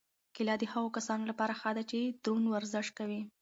کیله د هغو کسانو لپاره ښه ده چې دروند ورزش کوي.